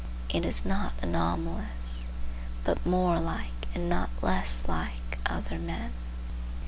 It is not anomalous, but more like and not less like other men.